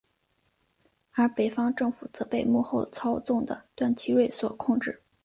而北方政府则被幕后操纵的段祺瑞所控制。